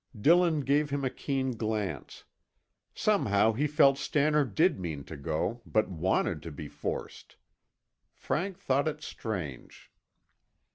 Dillon gave him a keen glance. Somehow he felt Stannard did mean to go, but wanted to be forced. Frank thought it strange.